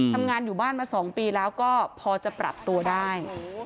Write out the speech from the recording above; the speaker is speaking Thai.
ทำงานอยู่บ้านมา๒ปีแล้วก็พอจะปรับตัวได้